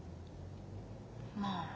まあ。